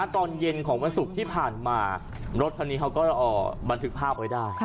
ตอนเย็นของวันศุกร์ที่ผ่านมารถคันนี้เขาก็บันทึกภาพไว้ได้